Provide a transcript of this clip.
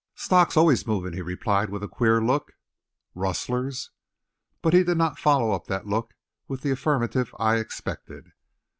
"Stock's always movin'," he replied with a queer look. "Rustlers?" But he did not follow up that look with the affirmative I expected.